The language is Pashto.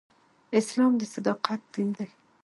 اسلام د صداقت دین دی.